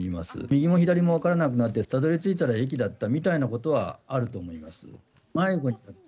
右も左も分からなくなって、たどりついたら駅だったみたいなことはあると思います。